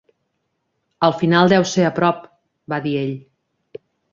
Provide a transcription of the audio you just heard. "El final deu ser a prop," va dir ell.